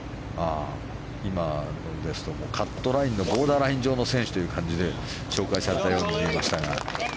今の成績ですとカットラインのボーダー上の選手として紹介されたように見えましたが。